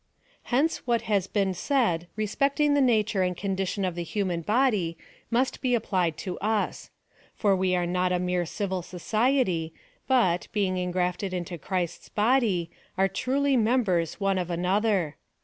Hence what has been said respecting the nature and condition of the human body must be applied to us ; for we are not a mere civil society, but, being ingrafted into Christ's body, are truly members one of another.